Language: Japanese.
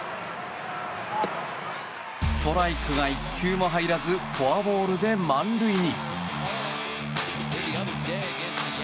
ストライクが１球も入らずフォアボールで満塁に。